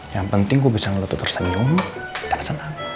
yang penting gue bisa ngeliat tersenyum dan senang